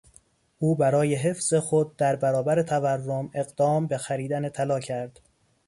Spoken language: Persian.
او برای حفظ خود در برابر تورم، اقدام به خریدن طلا کرد.